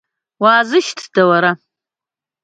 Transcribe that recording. Уаазышьҭда уара?